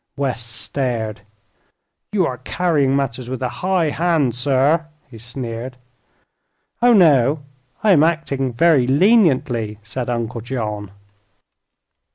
West stared. "You are carrying matters with a high hand, sir," he sneered. "Oh, no; I am acting very leniently," said Uncle John.